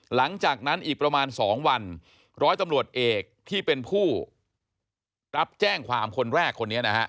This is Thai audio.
หลังจากนั้นอีกประมาณ๒วันร้อยตำรวจเอกที่เป็นผู้รับแจ้งความคนแรกคนนี้นะฮะ